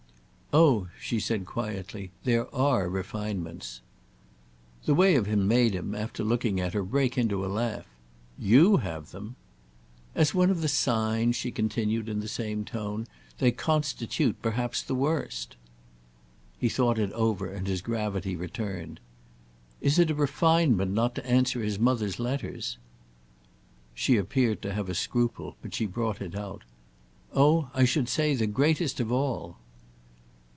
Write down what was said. "Oh," she said quietly, "there are refinements." The way of it made him, after looking at her, break into a laugh. "You have them!" "As one of the signs," she continued in the same tone, "they constitute perhaps the worst." He thought it over and his gravity returned. "Is it a refinement not to answer his mother's letters?" She appeared to have a scruple, but she brought it out. "Oh I should say the greatest of all."